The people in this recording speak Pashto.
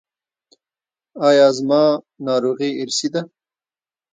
ایا زما ناروغي ارثي ده؟